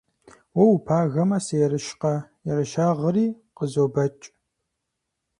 Уэ упагэмэ, сыерыщкъэ, ерыщагъри къызобэкӀ.